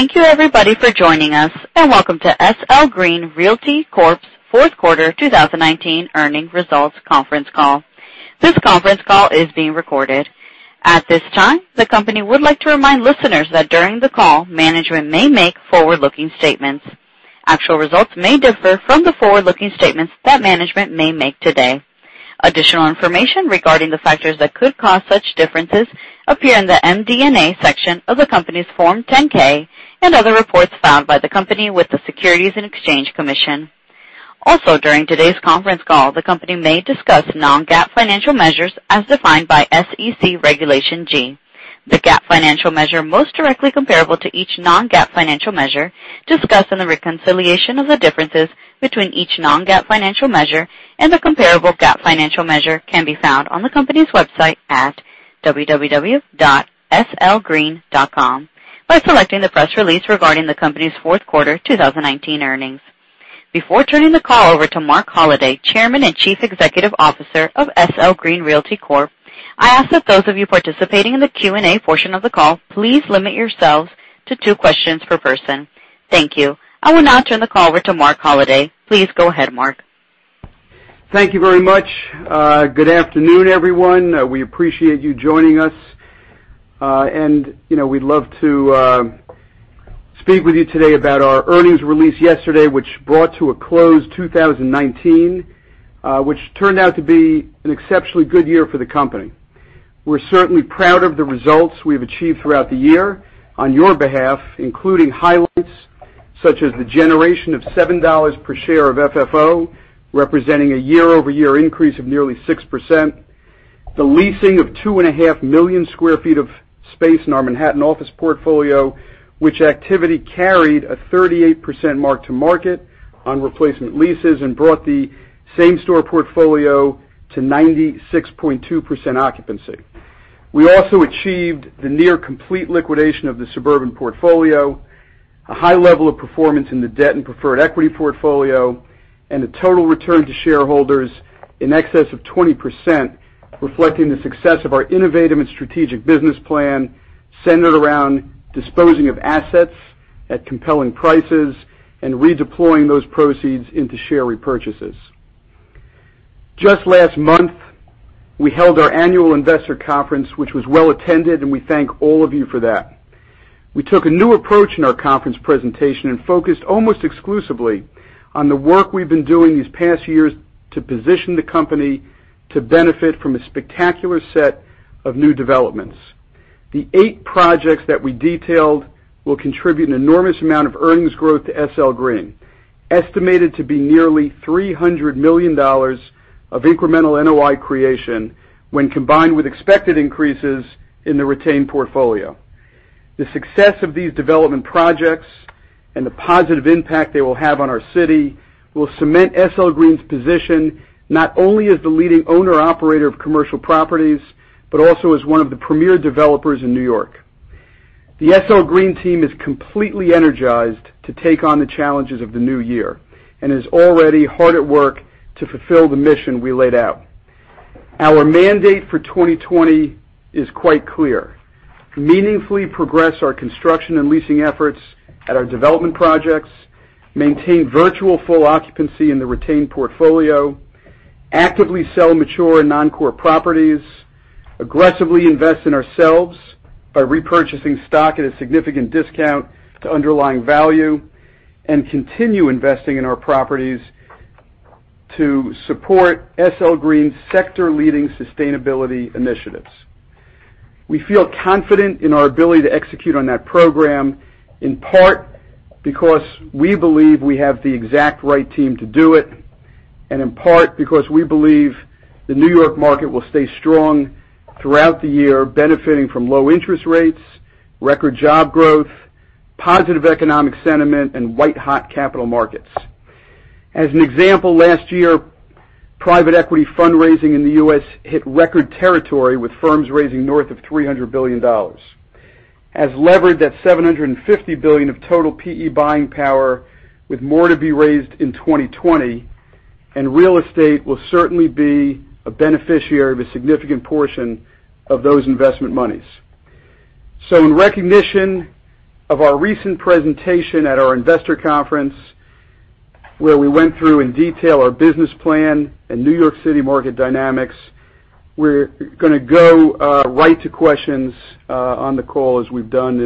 Thank you everybody for joining us, and welcome to SL Green Realty Corp.'s Fourth Quarter 2019 Earnings Results Conference Call. This conference call is being recorded. At this time, the company would like to remind listeners that during the call, management may make forward-looking statements. Actual results may differ from the forward-looking statements that management may make today. Additional information regarding the factors that could cause such differences appear in the MD&A section of the company's Form 10-K and other reports filed by the company with the Securities and Exchange Commission. Also, during today's conference call, the company may discuss non-GAAP financial measures as defined by SEC Regulation G. The GAAP financial measure most directly comparable to each non-GAAP financial measure discussed, and the reconciliation of the differences between each non-GAAP financial measure and the comparable GAAP financial measure, can be found on the company's website at www.slgreen.com by selecting the press release regarding the company's fourth quarter 2019 earnings. Before turning the call over to Marc Holliday, Chairman and Chief Executive Officer of SL Green Realty Corp., I ask that those of you participating in the Q&A portion of the call, please limit yourselves to two questions per person. Thank you. I will now turn the call over to Marc Holliday. Please go ahead, Marc. Thank you very much. Good afternoon, everyone. We appreciate you joining us. We'd love to speak with you today about our earnings release yesterday, which brought to a close 2019, which turned out to be an exceptionally good year for the company. We're certainly proud of the results we've achieved throughout the year on your behalf, including highlights such as the generation of $7 per share of FFO, representing a year-over-year increase of nearly 6%, the leasing of 2.5 million sq ft of space in our Manhattan office portfolio, which activity carried a 38% mark to market on replacement leases and brought the same store portfolio to 96.2% occupancy. We also achieved the near complete liquidation of the suburban portfolio, a high level of performance in the debt and preferred equity portfolio, a total return to shareholders in excess of 20%, reflecting the success of our innovative and strategic business plan centered around disposing of assets at compelling prices and redeploying those proceeds into share repurchases. Just last month, we held our annual investor conference, which was well-attended, we thank all of you for that. We took a new approach in our conference presentation focused almost exclusively on the work we've been doing these past years to position the company to benefit from a spectacular set of new developments. The eight projects that we detailed will contribute an enormous amount of earnings growth to SL Green, estimated to be nearly $300 million of incremental NOI creation when combined with expected increases in the retained portfolio. The success of these development projects and the positive impact they will have on our city will cement SL Green's position, not only as the leading owner/operator of commercial properties, but also as one of the premier developers in New York. The SL Green team is completely energized to take on the challenges of the new year and is already hard at work to fulfill the mission we laid out. Our mandate for 2020 is quite clear. Meaningfully progress our construction and leasing efforts at our development projects, maintain virtual full occupancy in the retained portfolio, actively sell mature and non-core properties, aggressively invest in ourselves by repurchasing stock at a significant discount to underlying value, and continue investing in our properties to support SL Green's sector-leading sustainability initiatives. We feel confident in our ability to execute on that program, in part, because we believe we have the exact right team to do it, and in part, because we believe the New York market will stay strong throughout the year, benefiting from low interest rates, record job growth, positive economic sentiment, and white-hot capital markets. As an example, last year, private equity fundraising in the U.S. hit record territory, with firms raising north of $300 billion. As levered at $750 billion of total PE buying power, with more to be raised in 2020, and real estate will certainly be a beneficiary of a significant portion of those investment monies. In recognition of our recent presentation at our investor conference, where we went through in detail our business plan and New York City market dynamics, we're going to go right to questions on the call as we've done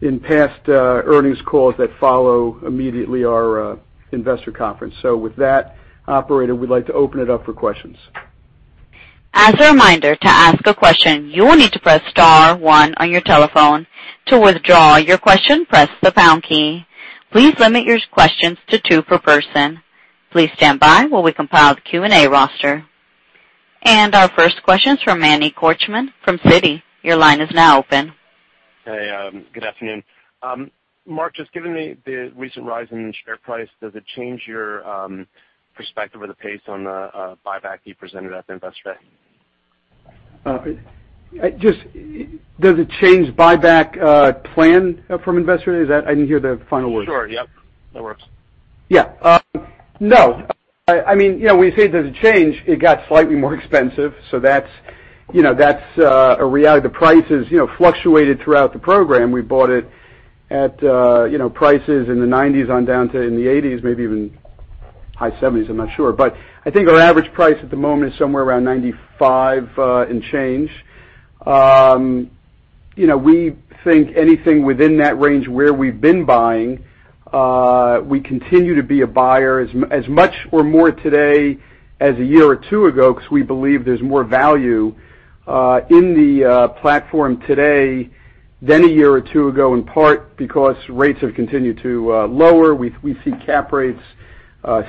in past earnings calls that follow immediately our investor conference. With that, operator, we'd like to open it up for questions. As a reminder, to ask a question, you will need to press star one on your telephone. To withdraw your question, press the pound key. Please limit your questions to two per person. Please stand by while we compile the Q&A roster. Our first question's from Manny Korchman from Citi. Your line is now open. Hey, good afternoon. Marc, just given the recent rise in share price, does it change your perspective or the pace on the buyback you presented at the investor day? Does it change buyback plan from Investor Day? I didn't hear the final word. Sure. Yep. That works. Yeah. No. We say there's a change. It got slightly more expensive, so that's a reality. The prices fluctuated throughout the program. We bought it at prices in the $90s on down to in the $80s, maybe even high $70s, I'm not sure. I think our average price at the moment is somewhere around $95 and change. We think anything within that range where we've been buying, we continue to be a buyer as much or more today as a year or two ago, because we believe there's more value in the platform today than a year or two ago, in part because rates have continued to lower. We see cap rates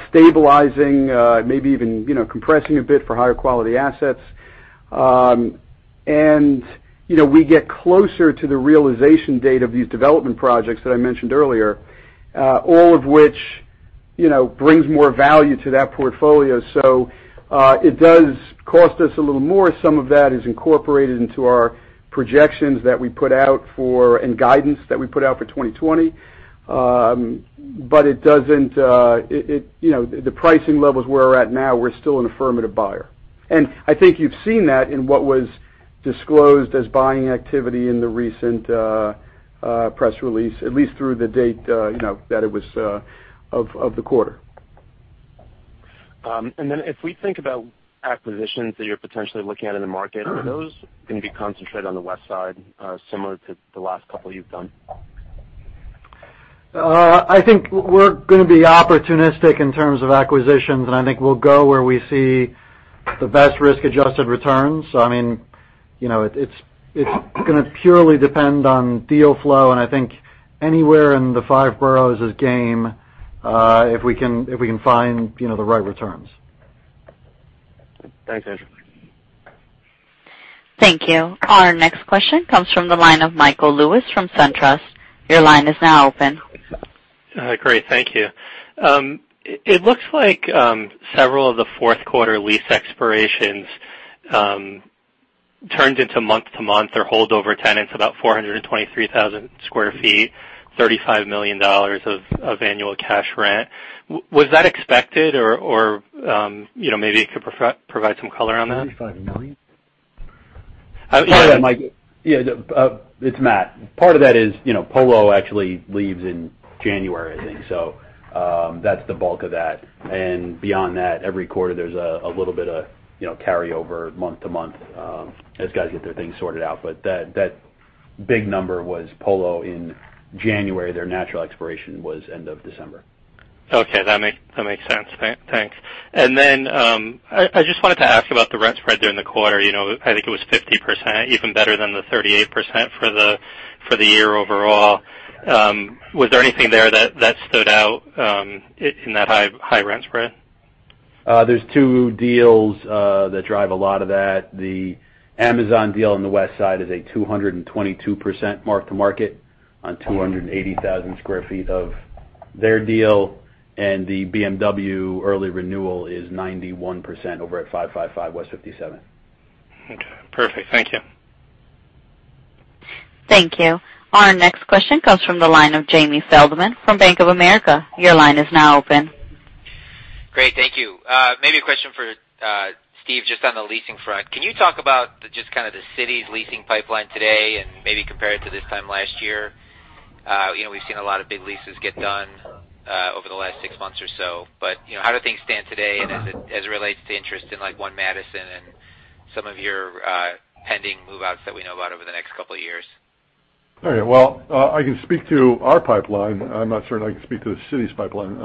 stabilizing, maybe even compressing a bit for higher quality assets. We get closer to the realization date of these development projects that I mentioned earlier, all of which brings more value to that portfolio. It does cost us a little more. Some of that is incorporated into our projections that we put out for, and guidance that we put out for 2020. The pricing levels where we're at now, we're still an affirmative buyer. I think you've seen that in what was disclosed as buying activity in the recent press release, at least through the date that it was of the quarter. If we think about acquisitions that you're potentially looking at in the market? Are those going to be concentrated on the west side, similar to the last couple you've done? I think we're going to be opportunistic in terms of acquisitions, and I think we'll go where we see the best risk-adjusted returns. It's going to purely depend on deal flow, and I think anywhere in the five boroughs is game, if we can find the right returns. Thanks, Andrew. Thank you. Our next question comes from the line of Michael Lewis from SunTrust. Your line is now open. Great. Thank you. It looks like several of the fourth quarter lease expirations turned into month-to-month or holdover tenants, about 423,000 sq ft, $35 million of annual cash rent. Was that expected, or maybe you could provide some color on that? $35 million? Yeah, Michael. Yeah, it's Matt. Part of that is Polo actually leaves in January, I think. That's the bulk of that. Beyond that, every quarter there's a little bit of carryover month to month as guys get their things sorted out. That big number was Polo in January. Their natural expiration was end of December. Okay, that makes sense. Thanks. I just wanted to ask about the rent spread during the quarter. I think it was 50%, even better than the 38% for the year overall. Was there anything there that stood out in that high rent spread? There's two deals that drive a lot of that. The Amazon deal on the west side is a 222% mark-to-market on 280,000 sq ft of their deal, and the BMW early renewal is 91% over at 555 West 57th. Okay. Perfect. Thank you. Thank you. Our next question comes from the line of Jamie Feldman from Bank of America. Your line is now open. Great. Thank you. Maybe a question for Steve, just on the leasing front. Can you talk about just kind of the city's leasing pipeline today and maybe compare it to this time last year? We've seen a lot of big leases get done over the last six months or so. How do things stand today? As it relates to interest in One Madison and some of your pending move-outs that we know about over the next couple of years? All right. Well, I can speak to our pipeline. I'm not certain I can speak to the city's pipeline.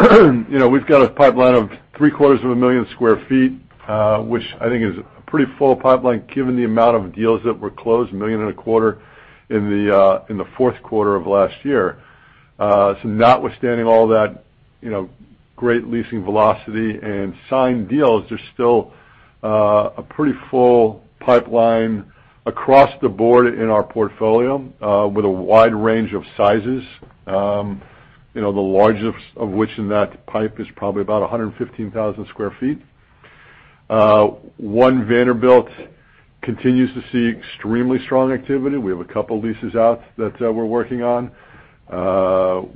We've got a pipeline of 750,000 sq ft, which I think is a pretty full pipeline given the amount of deals that were closed, 1,250,000, in the fourth quarter of last year. Notwithstanding all that great leasing velocity and signed deals, there's still a pretty full pipeline across the board in our portfolio, with a wide range of sizes. The largest of which in that pipe is probably about 115,000 sq ft. One Vanderbilt continues to see extremely strong activity. We have a couple leases out that we're working on.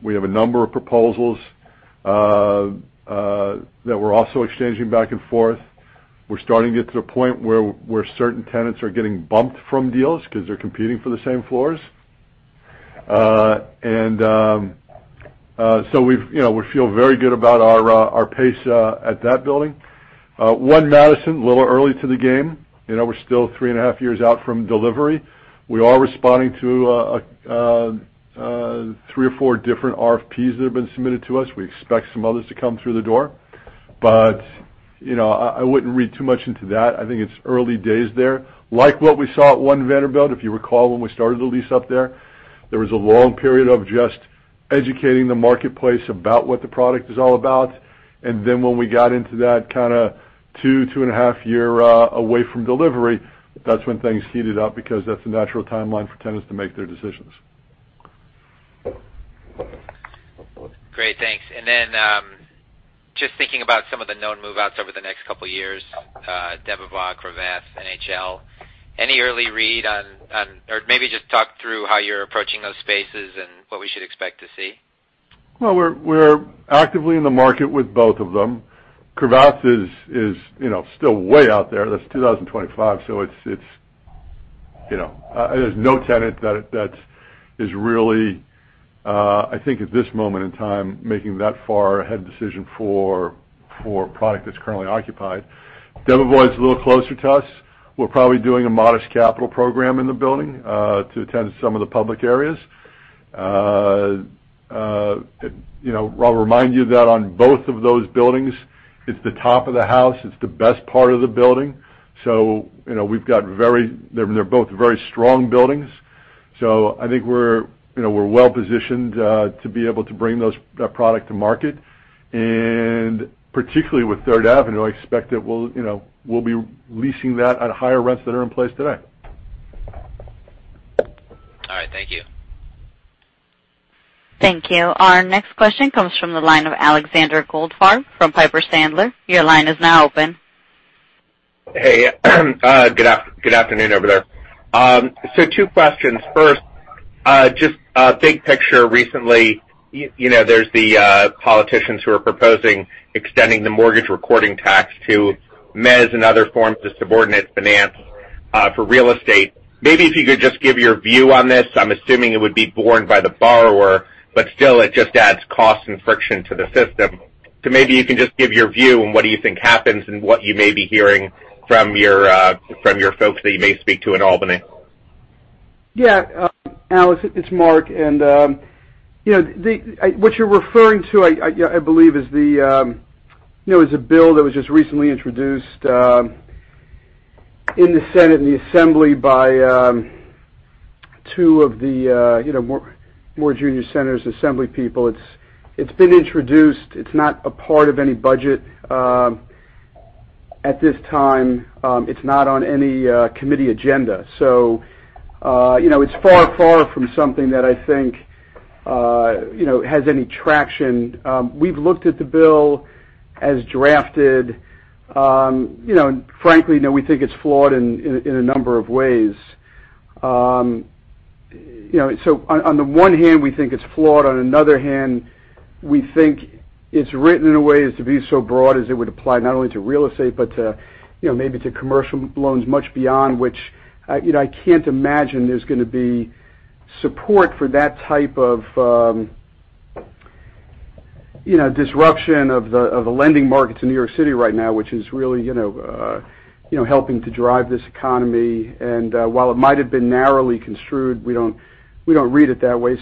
We have a number of proposals that we're also exchanging back and forth. We're starting to get to the point where certain tenants are getting bumped from deals because they're competing for the same floors. So we feel very good about our pace at that building. One Madison, a little early to the game. We're still three and a half years out from delivery. We are responding to three or four different RFP that have been submitted to us. We expect some others to come through the door. I wouldn't read too much into that. I think it's early days there. Like what we saw at One Vanderbilt, if you recall, when we started the lease up there. There was a long period of just educating the marketplace about what the product is all about, and then when we got into that kind of two and a half year away from delivery, that's when things heated up because that's the natural timeline for tenants to make their decisions. Great. Thanks. Just thinking about some of the known move-outs over the next couple of years, Debevoise, Cravath, NHL, just talk through how you're approaching those spaces and what we should expect to see? Well, we're actively in the market with both of them. Cravath is still way out there. That's 2025. There's no tenant that is really, I think, at this moment in time, making that far ahead decision for a product that's currently occupied. Debevoise is a little closer to us. We're probably doing a modest capital program in the building to attend to some of the public areas. I'll remind you that on both of those buildings, it's the top of the house, it's the best part of the building. They're both very strong buildings. I think we're well-positioned to be able to bring that product to market. Particularly with Third Avenue, I expect that we'll be leasing that at higher rents than are in place today. All right. Thank you. Thank you. Our next question comes from the line of Alexander Goldfarb from Piper Sandler. Your line is now open. Hey. Good afternoon over there. Two questions. First, just big picture recently, there's the politicians who are proposing extending the mortgage recording tax to mezz and other forms of subordinate finance for real estate. Maybe if you could just give your view on this. I'm assuming it would be borne by the borrower, but still, it just adds cost and friction to the system. Maybe you can just give your view on what do you think happens and what you may be hearing from your folks that you may speak to in Albany. Yeah, Alex, it's Marc. What you're referring to, I believe, is a bill that was just recently introduced in the Senate and the Assembly by two of the more junior senators, Assembly people. It's been introduced. It's not a part of any budget at this time. It's not on any committee agenda. It's far from something that I think has any traction. We've looked at the bill as drafted. Frankly, we think it's flawed in a number of ways. On the one hand, we think it's flawed. On another hand, we think it's written in a way as to be so broad as it would apply not only to real estate, but maybe to commercial loans much beyond which I can't imagine there's going to be support for that type of disruption of the lending markets in New York City right now, which is really helping to drive this economy. While it might have been narrowly construed, we don't read it that way.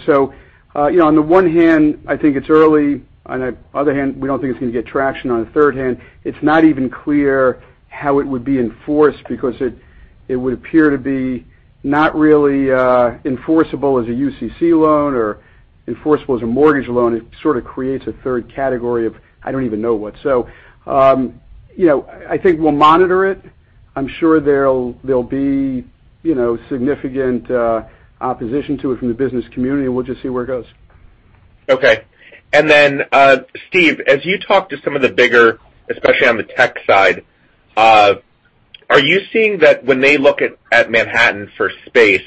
On the one hand, I think it's early. On the other hand, we don't think it's going to get traction. On the third hand, it's not even clear how it would be enforced because it would appear to be not really enforceable as a UCC loan or enforceable as a mortgage loan. It sort of creates a third category of I don't even know what. I think we'll monitor it. I'm sure there'll be significant opposition to it from the business community, and we'll just see where it goes. Okay. Steve, as you talk to some of the bigger, especially on the tech side, are you seeing that when they look at Manhattan for space,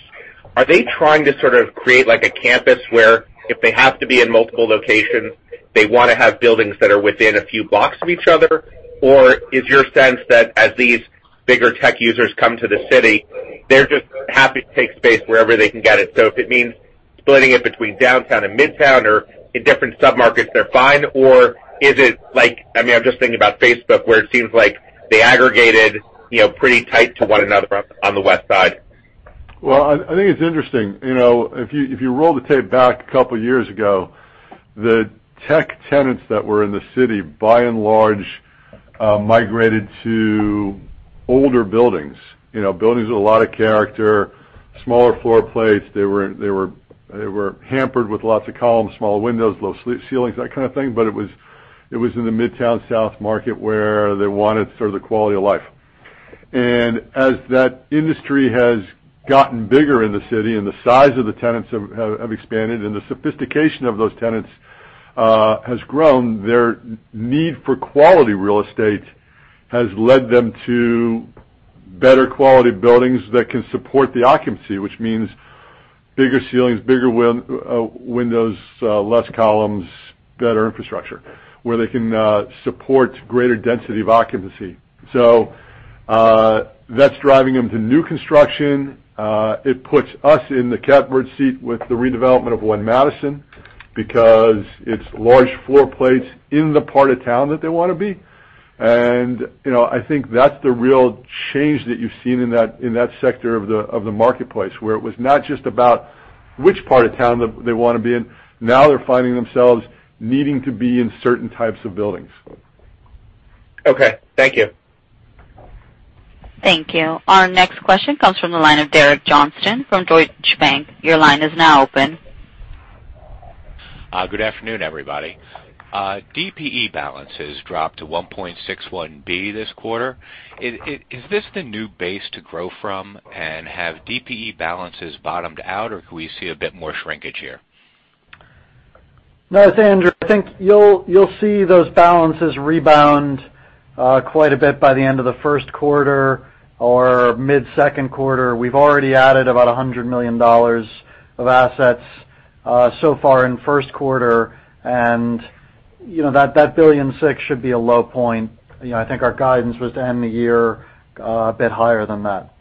are they trying to sort of create a campus where if they have to be in multiple locations, they want to have buildings that are within a few blocks of each other? Is your sense that as these bigger tech users come to the city, they're just happy to take space wherever they can get it? If it means splitting it between Downtown and Midtown or in different sub-markets, they're fine. Is it like, I'm just thinking about Facebook, where it seems like they aggregated pretty tight to one another on the West Side? I think it's interesting. If you roll the tape back a couple of years ago, the tech tenants that were in the city, by and large, migrated to older buildings with a lot of character, smaller floor plates. They were hampered with lots of columns, small windows, low ceilings, that kind of thing, but it was in the Midtown South market where they wanted sort of the quality of life. As that industry has gotten bigger in the city and the size of the tenants have expanded and the sophistication of those tenants has grown, their need for quality real estate has led them to better quality buildings that can support the occupancy, which means bigger ceilings, bigger windows, less columns, better infrastructure, where they can support greater density of occupancy. That's driving them to new construction. It puts us in the catbird seat with the redevelopment of One Madison because it's large floor plates in the part of town that they want to be. I think that's the real change that you've seen in that sector of the marketplace, where it was not just about which part of town they want to be in. Now they're finding themselves needing to be in certain types of buildings. Okay. Thank you. Thank you. Our next question comes from the line of Derek Johnston from Deutsche Bank. Your line is now open. Good afternoon, everybody. DPE balances dropped to $1.61 billion this quarter. Is this the new base to grow from, have DPE balances bottomed out, or could we see a bit more shrinkage here? It's Andrew. I think you'll see those balances rebound quite a bit by the end of the first quarter or mid-second quarter. We've already added about $100 million of assets so far in the first quarter, and that $1.6 billion should be a low point. I think our guidance was to end the year a bit higher than that.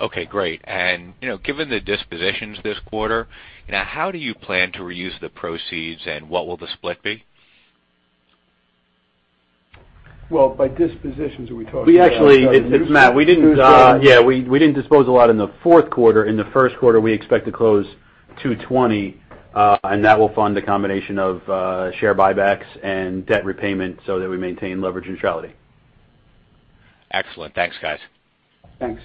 Okay, great. Given the dispositions this quarter, how do you plan to reuse the proceeds, and what will the split be? Well, by dispositions, are we talking about? We actually, it's Matt. We didn't dispose a lot in the fourth quarter. In the first quarter, we expect to close 220, and that will fund a combination of share buybacks and debt repayment so that we maintain leverage neutrality. Excellent. Thanks, guys. Thanks.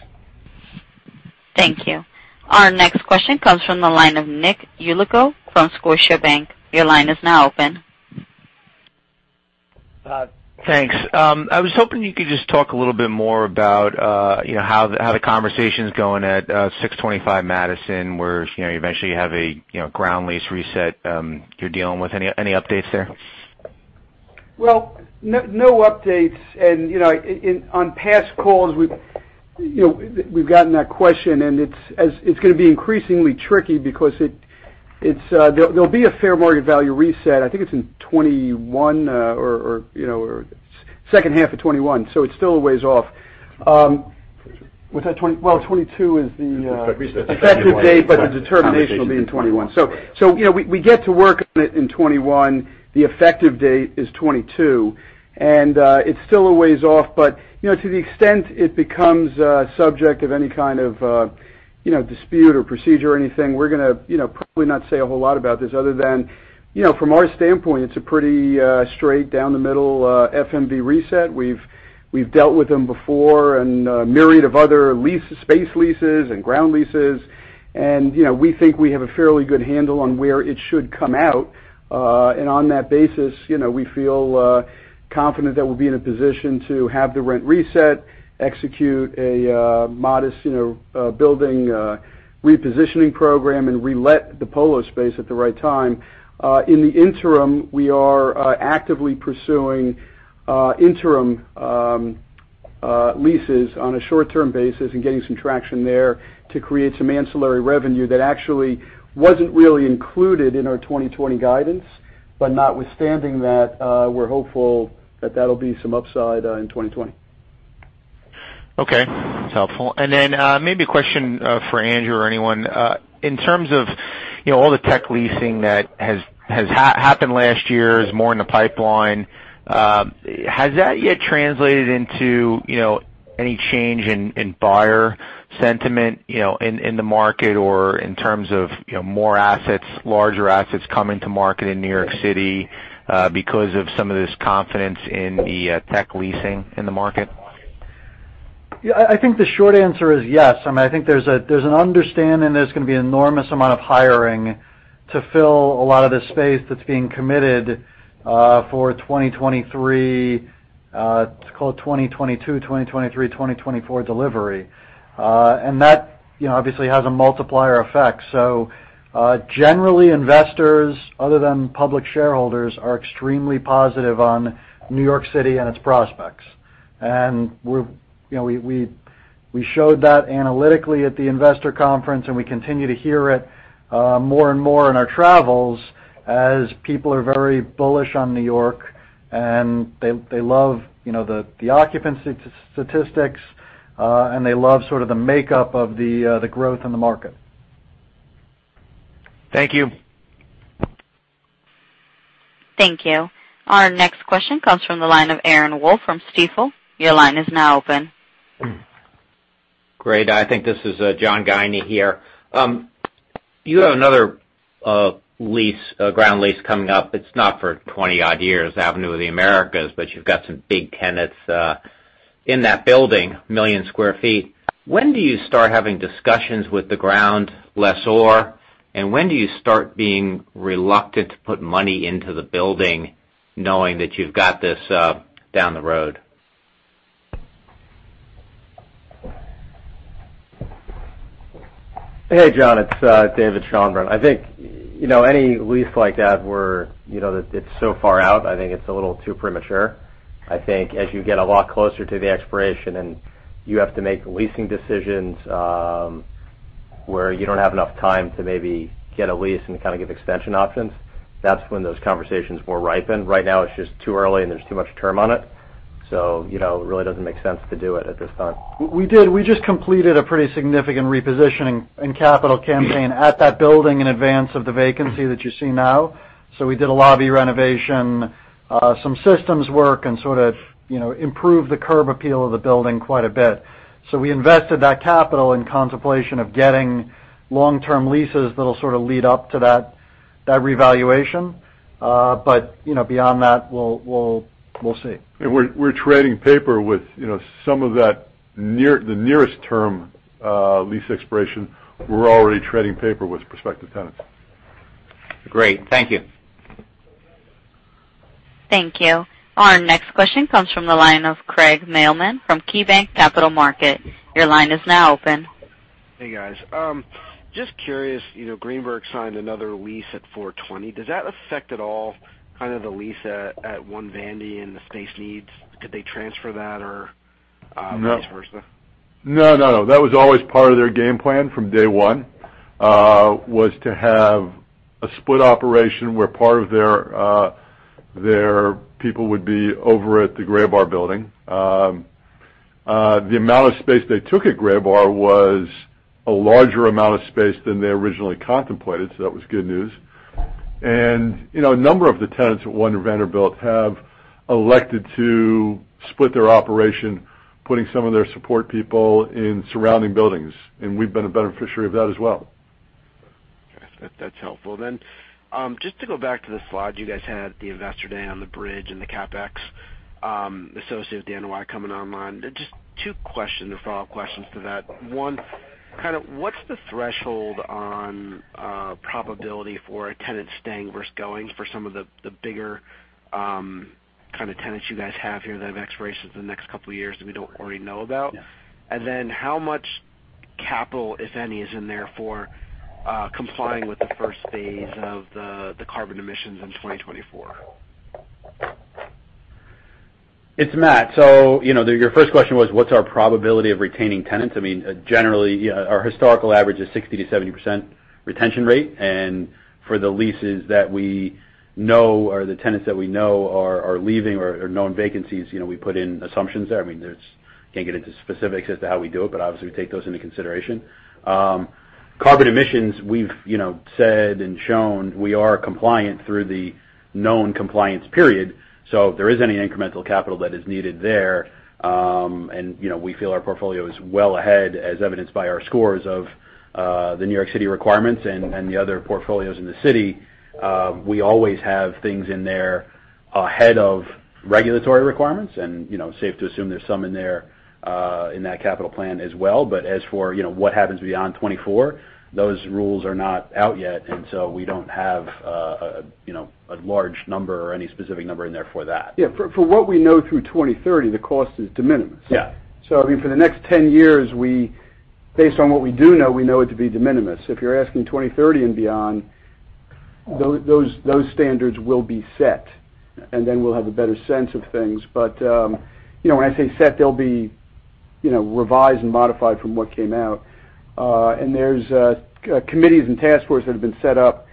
Thank you. Our next question comes from the line of Nick Yulico from Scotiabank. Your line is now open. Thanks. I was hoping you could just talk a little bit more about how the conversation's going at 625 Madison, where you eventually have a ground lease reset you're dealing with. Any updates there? No updates. On past calls, we've gotten that question, and it's going to be increasingly tricky because there'll be a fair market value reset. I think it's in 2021 or second half of 2021. It's still a ways off. 2022 is the effective date. The determination will be in 2021. We get to work on it in 2021. The effective date is 2022. It's still a ways off, but to the extent it becomes subject of any kind of dispute or procedure or anything, we're going to probably not say a whole lot about this other than from our standpoint, it's a pretty straight down the middle FMV reset. We've dealt with them before and a myriad of other space leases and ground leases, and we think we have a fairly good handle on where it should come out. On that basis, we feel confident that we'll be in a position to have the rent reset, execute a modest building repositioning program, and relet the Polo space at the right time. In the interim, we are actively pursuing interim leases on a short-term basis and getting some traction there to create some ancillary revenue that actually wasn't really included in our 2020 guidance. Notwithstanding that, we're hopeful that that'll be some upside in 2020. Okay. That's helpful. Maybe a question for Andrew or anyone. In terms of all the tech leasing that has happened last year, is more in the pipeline, has that yet translated into any change in buyer sentiment in the market or in terms of more assets, larger assets coming to market in New York City because of some of this confidence in the tech leasing in the market? Yeah, I think the short answer is yes. I think there's an understanding there's going to be enormous amount of hiring to fill a lot of the space that's being committed for 2023, let's call it 2022, 2023, 2024 delivery. That obviously has a multiplier effect. Generally, investors other than public shareholders are extremely positive on New York City and its prospects. We showed that analytically at the investor conference, and we continue to hear it more and more in our travels as people are very bullish on New York, and they love the occupancy statistics, and they love sort of the makeup of the growth in the market. Thank you. Thank you. Our next question comes from the line of Aaron Wolf from Stifel. Your line is now open. Great. I think this is John Guinee here. You have another ground lease coming up. It's not for 20-odd years, Avenue of the Americas, but you've got some big tenants in that building, 1 million sq ft. When do you start having discussions with the ground lessor, and when do you start being reluctant to put money into the building knowing that you've got this down the road? Hey, John, it's David Schonbraun. I think any lease like that where it's so far out, I think it's a little too premature. I think as you get a lot closer to the expiration and you have to make leasing decisions, where you don't have enough time to maybe get a lease and kind of give extension options, that's when those conversations more ripen. Right now, it's just too early, and there's too much term on it. It really doesn't make sense to do it at this time. We just completed a pretty significant repositioning and capital campaign at that building in advance of the vacancy that you see now. We did a lobby renovation, some systems work, and sort of improved the curb appeal of the building quite a bit. We invested that capital in contemplation of getting long-term leases that'll sort of lead up to that revaluation. Beyond that, we'll see. We're trading paper with some of the nearest term lease expiration. We're already trading paper with prospective tenants. Great. Thank you. Thank you. Our next question comes from the line of Craig Mailman from KeyBanc Capital Markets. Your line is now open. Hey, guys. Just curious, Greenberg signed another lease at 420. Does that affect at all kind of the lease at One Vanderbilt and the space needs? Could they transfer that? No vice versa? No, that was always part of their game plan from day one, was to have a split operation where part of their people would be over at the Graybar Building. The amount of space they took at Graybar was a larger amount of space than they originally contemplated, so that was good news. A number of the tenants at One Vanderbilt have elected to split their operation, putting some of their support people in surrounding buildings. We've been a beneficiary of that as well. Okay. That's helpful then. Just to go back to the slide you guys had at the Investor Day on the bridge and the CapEx associated with the N.Y. coming online. Just two follow-up questions to that. One, what's the threshold on probability for a tenant staying versus going for some of the bigger kind of tenants you guys have here that have expirations in the next couple of years that we don't already know about? Yeah. How much capital, if any, is in there for complying with the first phase of the carbon emissions in 2024? It's Matt. Your first question was, what's our probability of retaining tenants? I mean, generally, our historical average is 60%-70% retention rate. For the leases that we know, or the tenants that we know are leaving or are known vacancies, we put in assumptions there. I can't get into specifics as to how we do it, but obviously, we take those into consideration. Carbon emissions, we've said and shown we are compliant through the known compliance period. If there is any incremental capital that is needed there, and we feel our portfolio is well ahead, as evidenced by our scores of the New York City requirements and the other portfolios in the city. We always have things in there ahead of regulatory requirements, and safe to assume there's some in there in that capital plan as well. As for what happens beyond 2024, those rules are not out yet, and so we don't have a large number or any specific number in there for that. Yeah. For what we know through 2030, the cost is de minimis. Yeah. I mean, for the next 10 years, based on what we do know, we know it to be de minimis. If you're asking 2030 and beyond, those standards will be set, and then we'll have a better sense of things. When I say set, they'll be revised and modified from what came out. There's committees and task forces that have been set up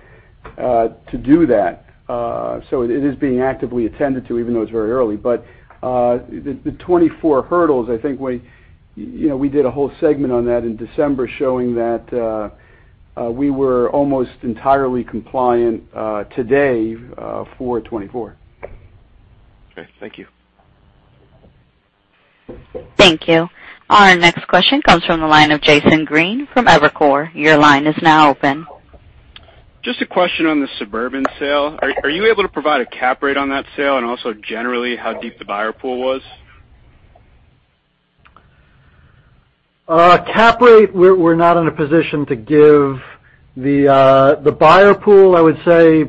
to do that. It is being actively attended to, even though it's very early. The 2024 hurdles, I think we did a whole segment on that in December, showing that we were almost entirely compliant today for 2024. Okay. Thank you. Thank you. Our next question comes from the line of Jason Green from Evercore. Your line is now open. Just a question on the suburban sale. Are you able to provide a cap rate on that sale? Also, generally, how deep the buyer pool was? Cap rate, we're not in a position to give. The buyer pool, I would say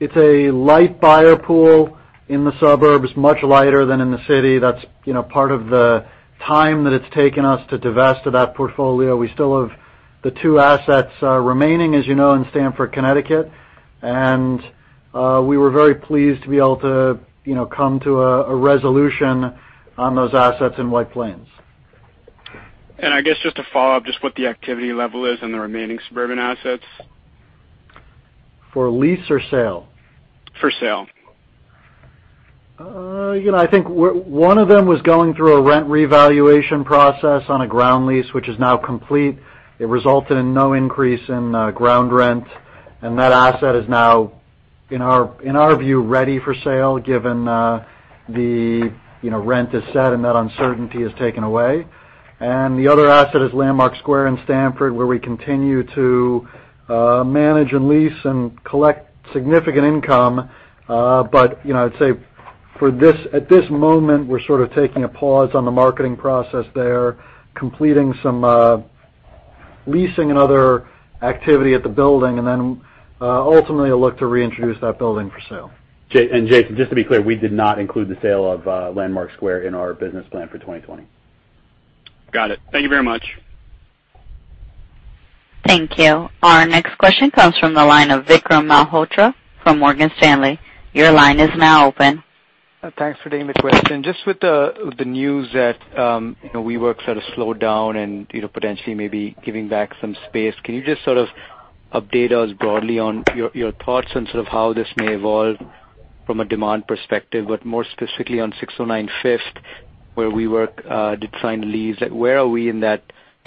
it's a light buyer pool in the suburbs, much lighter than in the city. That's part of the time that it's taken us to divest of that portfolio. We still have the two assets remaining, as you know, in Stamford, Connecticut, and we were very pleased to be able to come to a resolution on those assets in White Plains. I guess, just to follow up, just what the activity level is in the remaining suburban assets. For lease or sale? For sale. I think one of them was going through a rent revaluation process on a ground lease, which is now complete. It resulted in no increase in ground rent, and that asset is now, in our view, ready for sale, given the rent is set and that uncertainty is taken away. The other asset is Landmark Square in Stamford, where we continue to manage and lease and collect significant income. I'd say at this moment, we're sort of taking a pause on the marketing process there, completing some leasing and other activity at the building, and then ultimately, look to reintroduce that building for sale. Jason, just to be clear, we did not include the sale of Landmark Square in our business plan for 2020. Got it. Thank you very much. Thank you. Our next question comes from the line of Vikram Malhotra from Morgan Stanley. Your line is now open. Thanks for taking the question. With the news that WeWork sort of slowed down and potentially may be giving back some space, can you just sort of update us broadly on your thoughts on sort of how this may evolve from a demand perspective, but more specifically on 609 Fifth, where WeWork did sign the lease? Where are we in that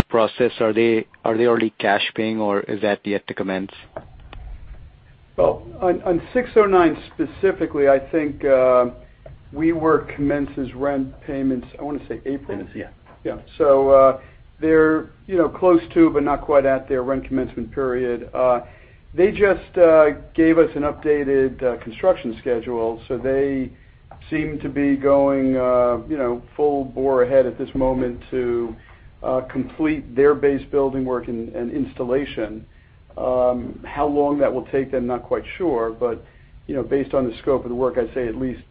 process? Are they already cash paying, or is that yet to commence? Well, on 609 specifically, I think WeWork commences rent payments, I want to say April. I think it's April. Yeah. They're close to, but not quite at their rent commencement period. They just gave us an updated construction schedule, so they seem to be going full bore ahead at this moment to complete their base building work and installation. How long that will take them, not quite sure, but based on the scope of the work, I'd say at least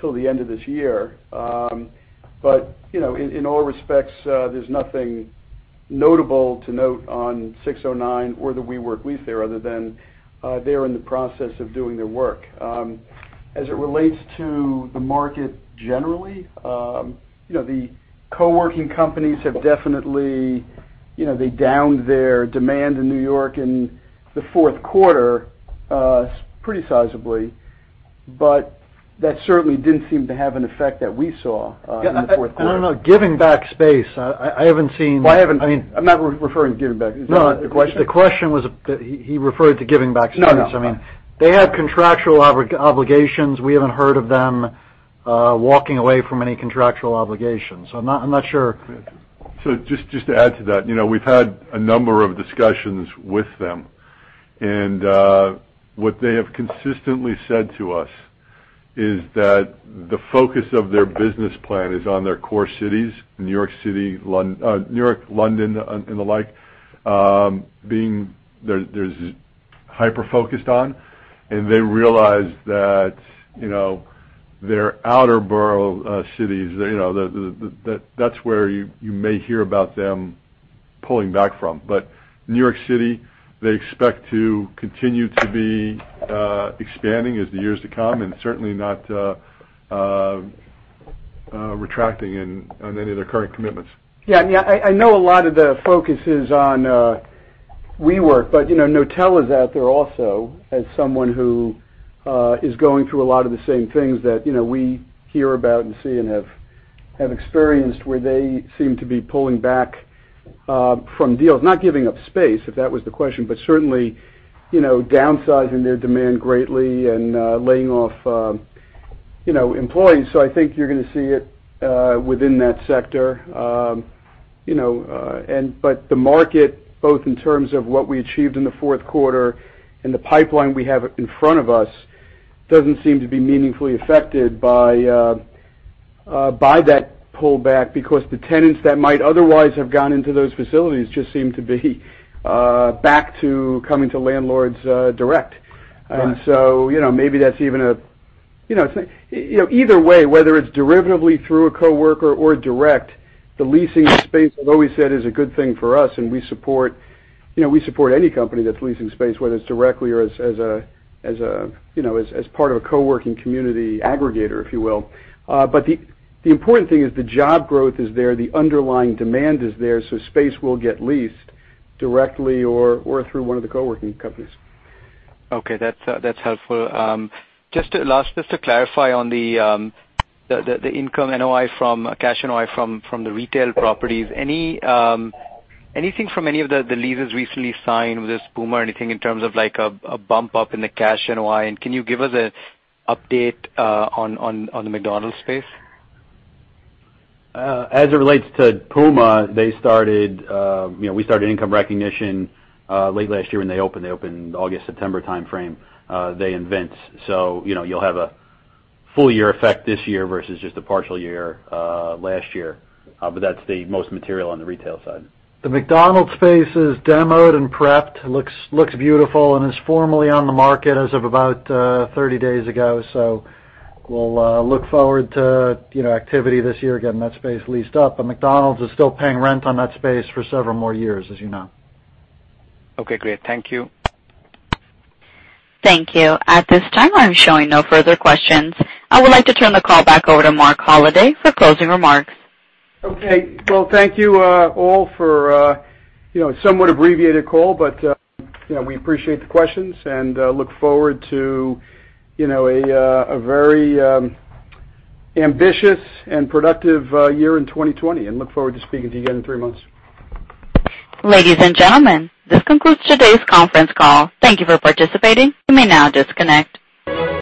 till the end of this year. In all respects, there's nothing notable to note on 609 or the WeWork lease there other than they're in the process of doing their work. As it relates to the market generally, the co-working companies have definitely downed their demand in New York in the fourth quarter, pretty sizably. That certainly didn't seem to have an effect that we saw in the fourth quarter. I don't know. Giving back space, I haven't seen- Well, I'm not referring to giving back. Is that what the question? The question was, he referred to giving back space. No. They have contractual obligations. We haven't heard of them walking away from any contractual obligations. I'm not sure. Just to add to that, we've had a number of discussions with them, and what they have consistently said to us is that the focus of their business plan is on their core cities, New York, London, and the like, being hyper-focused on. They realize that their outer borough cities, that's where you may hear about them pulling back from. New York City, they expect to continue to be expanding as the years to come and certainly not retracting on any of their current commitments. Yeah. I know a lot of the focus is on WeWork, but Knotel's out there also, as someone who is going through a lot of the same things that we hear about and see and have experienced, where they seem to be pulling back from deals, not giving up space, if that was the question, but certainly, downsizing their demand greatly and laying off employees. I think you're going to see it within that sector. The market, both in terms of what we achieved in the fourth quarter and the pipeline we have in front of us, doesn't seem to be meaningfully affected by that pullback because the tenants that might otherwise have gone into those facilities just seem to be back to coming to landlords direct. Right. Maybe that's even Either way, whether it's derivatively through a co-working or direct, the leasing space, as always said, is a good thing for us, and we support any company that's leasing space, whether it's directly or as part of a co-working community aggregator, if you will. The important thing is the job growth is there, the underlying demand is there, so space will get leased directly or through one of the co-working companies. Okay. That's helpful. Just to clarify on the income NOI from cash NOI from the retail properties. Anything from any of the leases recently signed with Puma or anything in terms of a bump up in the cash NOI? Can you give us an update on the McDonald's space? As it relates to Puma, we started income recognition late last year when they opened. They opened August, September timeframe, they and Vince. You'll have a full-year effect this year versus just a partial year last year. That's the most material on the retail side. The McDonald's space is demoed and prepped. Looks beautiful and is formally on the market as of about 30 days ago. We'll look forward to activity this year, getting that space leased up. McDonald's is still paying rent on that space for several more years, as you know. Okay, great. Thank you. Thank you. At this time, I'm showing no further questions. I would like to turn the call back over to Marc Holliday for closing remarks. Okay. Well, thank you all for a somewhat abbreviated call. We appreciate the questions and look forward to a very ambitious and productive year in 2020, and look forward to speaking to you again in three months. Ladies and gentlemen, this concludes today's conference call. Thank you for participating. You may now disconnect.